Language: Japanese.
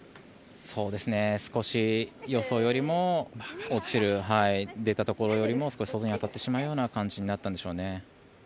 少し予想よりも落ちる狙っていたところよりも外に当たってしまうような感じになったんでしょうね。